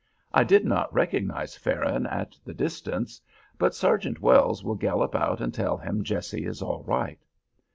I did not recognize Farron at the distance, but Sergeant Wells will gallop out and tell him Jessie is all right.